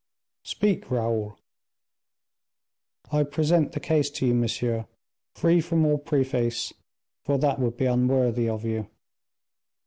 "Speak, Raoul." "I present the case to you, monsieur, free from all preface, for that would be unworthy of you.